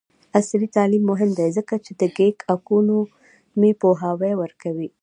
عصري تعلیم مهم دی ځکه چې د ګیګ اکونومي پوهاوی ورکوي.